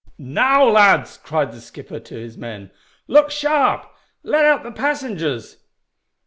"Now, lads," cried the skipper to his men, "look sharp! Let out the passengers."